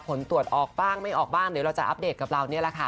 ผลตรวจออกบ้างไม่ออกบ้างเดี๋ยวเราจะอัปเดตกับเรานี่แหละค่ะ